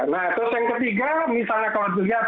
nah terus yang ketiga misalnya kalau dilihat